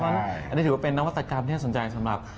อันนี้ถือว่าเป็นนวัตกรรมที่น่าสนใจสำหรับ